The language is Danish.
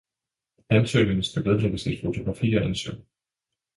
Ansøgningen skal vedlægges et fotografi af ansøgeren